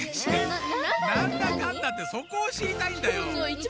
なんだかんだってそこをしりたいんだよ！